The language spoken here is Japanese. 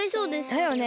だよね。